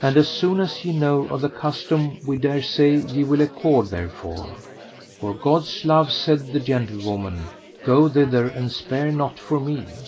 And as soon as ye know of the custom we dare say ye will accord therefore. For God's love, said the gentlewoman, go thither and spare not for me.